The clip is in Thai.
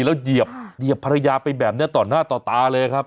แล้วเหยียบภรรยาไปแบบนี้ต่อหน้าต่อตาเลยครับ